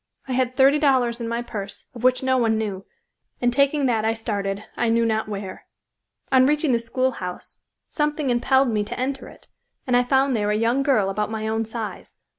I had thirty dollars in my purse, of which no one knew, and taking that I started, I knew not where. On reaching the schoolhouse something impelled me to enter it, and I found there a young girl about my own size.